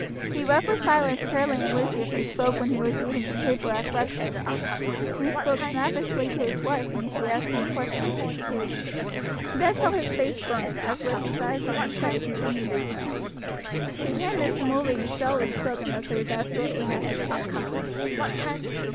He roughly silenced Charlie and Lucy if they spoke when he was reading his paper at breakfast, and he spoke snappishly to his wife when she asked him a question on such occasions. Ned felt his face burn, as with his eyes on his plate he continued his meal. To him Mr. Mulready seldom spoke unless it was absolutely necessary.